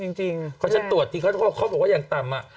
เยอะจริงเขาจะตรวจที่เขาบอกว่าอย่างต่ำ